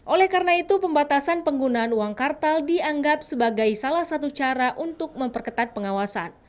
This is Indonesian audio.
oleh karena itu pembatasan penggunaan uang kartal dianggap sebagai salah satu cara untuk memperketat pengawasan